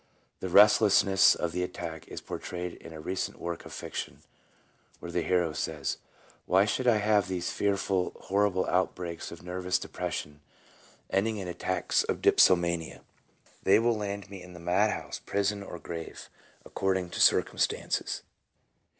The resistlessness of the attack is portrayed in a recent work of fiction, 1 where the hero says: —" Why should I have these fearful, horrible outbreaks of nervous depression, ending in attacks of dipsomania ? They will land me in the madhouse, prison, or grave, according to circumstances.